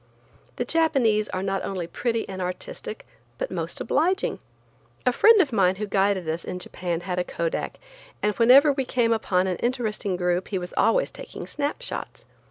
The Japanese are not only pretty and artistic but most obliging. A friend of mine who guided us in Japan had a Kodak, and whenever we came upon an interesting group he was always taking snap shots.